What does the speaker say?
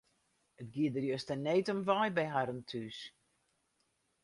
It gie der juster need om wei by harren thús.